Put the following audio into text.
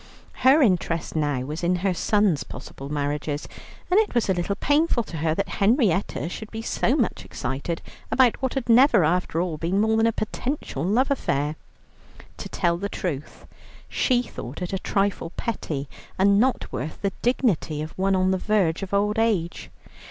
Her interest now was in her sons' possible marriages, and it was a little painful to her that Henrietta should be so much excited about what had never after all been more than a potential love affair. To tell the truth, she thought it a trifle petty and not worthy the dignity of one on the verge of old age.